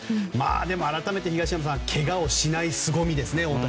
でも改めて東山さんけがをしないすごみですね。